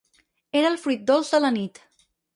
Era el fruit dolç de la nit.